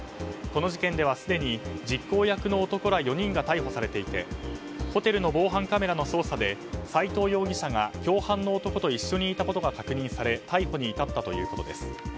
この事件ではすでに実行役の男ら４人が逮捕されていてホテルの防犯カメラの捜査で斎藤容疑者が共犯の男と一緒にいたことが確認され逮捕に至ったということです。